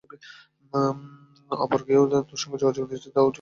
অপর কেউ তোমাদের সঙ্গে যোগ দিচ্ছে, তাও কিছু দেখছি না।